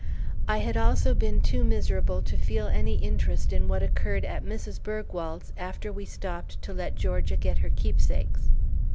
I had also been too miserable to feel any interest in what occurred at Mrs. Bergwald's after we stopped to let Georgia get her keepsakes.